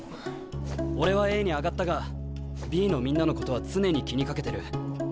俺はＡに上がったがＢのみんなのことは常に気にかけてる。